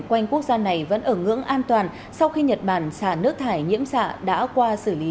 quanh quốc gia này vẫn ở ngưỡng an toàn sau khi nhật bản xả nước thải nhiễm xạ đã qua xử lý